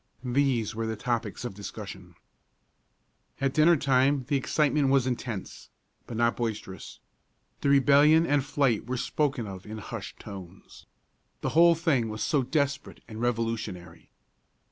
These were the topics of discussion. At dinner time the excitement was intense, but not boisterous. The rebellion and flight were spoken of in hushed tones. The whole thing was so desperate and revolutionary.